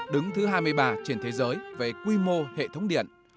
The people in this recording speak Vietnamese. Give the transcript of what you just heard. đứng thứ hai mươi ba trên thế giới về quy mô hệ thống điện